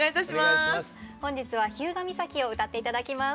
本日は「日向岬」を歌って頂きます。